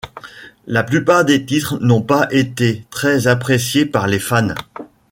La plupart des titres n'ont pas été très appréciés par les fans.